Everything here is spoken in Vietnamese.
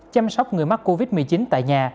chăm sóc người mắc covid một mươi chín tại nhà